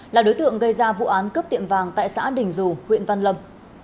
là đối tượng gây ra vụ án cướp tiệm vàng tại xã đình dù huyện văn lâm